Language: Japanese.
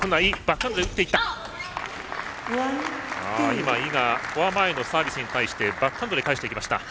今、井がフォア前のサービスに対してバックハンドで返していきました。